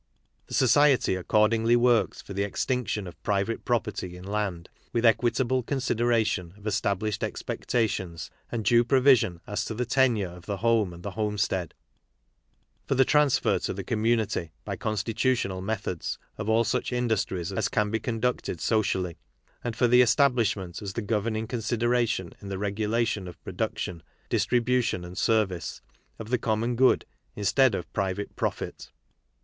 The Society accordingly works for the extinction of private property in land, with equitable consideration of established expectations, and due provision as to the tenure of the home and the homestead ; for the. transfer to the commtmity, by con stitutional methods, of all such industries as can be conducted socially ; and for the establishment, as the governing consideration in the regulation of production, distri bution and service, of the common good instead of private profit.